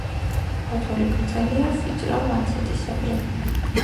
ფოთოლი გრძელია, ვიწრო, ლანცეტისებრი.